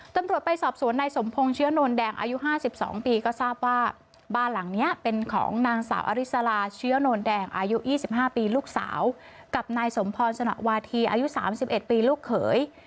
ตำรวจไปสอบสวนในสมพงศ์เชื้อนนท์แดงอายุห้าสิบสองปีก็ทราบว่าบ้านหลังเนี้ยเป็นของนางสาวอริสราเชื้อนนท์แดงอายุอี่สิบห้าปีลูกสาวกับนายสมพลสนวทีอายุสามสิบเอ็ดปีลูกเขย